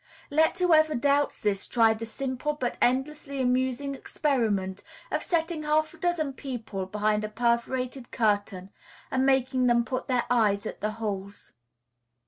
Let whoever doubts this try the simple but endlessly amusing experiment of setting half a dozen people behind a perforated curtain, and making them put their eyes at the holes.